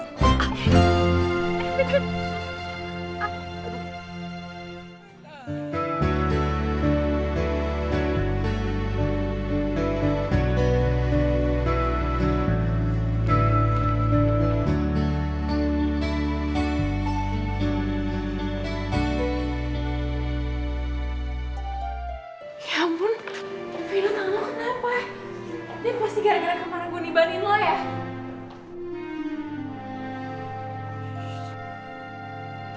ini pasti gara gara kemarin gue nibahin lo ya